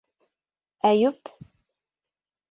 Әйүп...